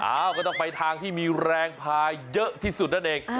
ก็ต้องไปทางที่มีแรงพาเยอะที่สุดนั่นเอง